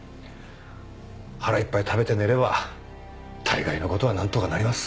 「腹いっぱい食べて寝れば大概の事はなんとかなります」。